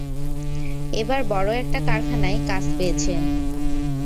এবার বড় একটা কারখানায় কাজ পেয়েছেন।